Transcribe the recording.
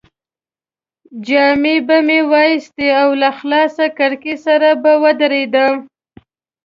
جامې به مې وایستې او له خلاصې کړکۍ سره به ودرېدم.